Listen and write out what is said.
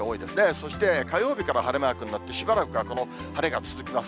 そして火曜日から晴れマークになって、しばらくはこの晴れが続きます。